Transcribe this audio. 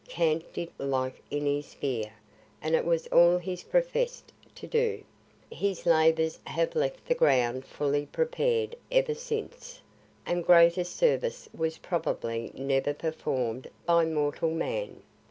Kant did the like in his sphere, and it was all he profess'd to do; his labors have left the ground fully prepared ever since and greater service was probably never perform'd by mortal man.